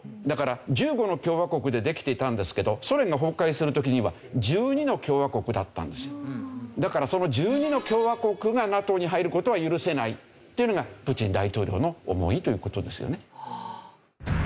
だから１５の共和国でできていたんですけどソ連が崩壊する時にはだからその１２の共和国がＮＡＴＯに入る事は許せないというのがプーチン大統領の思いという事ですよね。